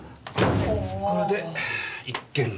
これで一件落着。